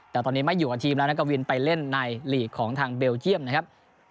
แต่ตอนนี้ไม่อยู่กับทีมแล้วนักกวินไปเล่นในหลีกของทางเบลเยี่ยมนะครับ